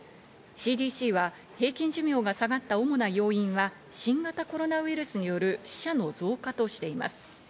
ＣＤＣは平均寿命が下がった主な要因は新型コロナウイルスによる死者の増加としています。